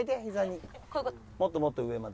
もっともっと上まで。